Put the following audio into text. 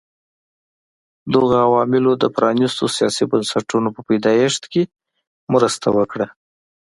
دغو عواملو د پرانیستو سیاسي بنسټونو په پیدایښت کې مرسته وکړه.